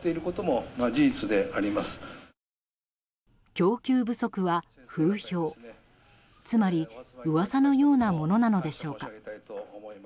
供給不足は風評つまり噂のようなものなのでしょうか。